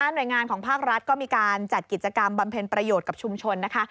หน่วยงานของภาครัฐก็มีการจัดกิจกรรมบำเพ็ญประโยชน์กับชุมชนนะคะ